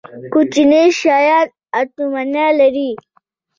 کوچني شیان اتومونه لري